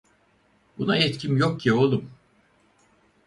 Buna yetkim yok ki oğlum.